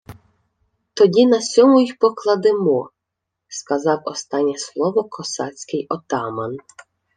— Тоді на сьому й покладемо! — сказав останнє слово косацький отаман.